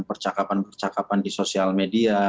percakapan percakapan di sosial media